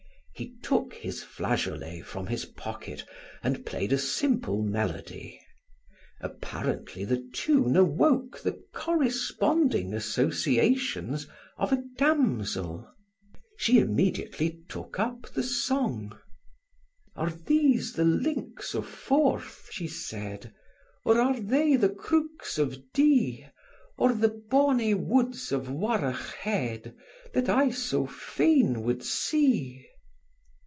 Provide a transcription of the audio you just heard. He took his flageolet from his pocket and played a simple melody. Apparently the tune awoke the corresponding associations of a damsel.... She immediately took up the song "'Are these the links of Forth, she said; Or are they the crooks of Dee, Or the bonny woods of Warroch Head That I so fain would see?'